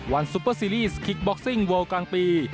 วันซุปเปอร์ซีรีสคิกบอกซิงโวลด์กลางปี